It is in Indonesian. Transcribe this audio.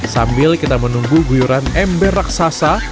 sambil kita menunggu guyuran ember raksasa